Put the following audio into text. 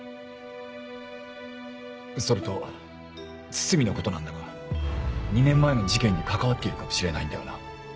それと堤のことなんだが２年前の事件に関わっているかもしれないんだよな？